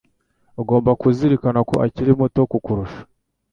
Ugomba kuzirikana ko akiri muto kukurusha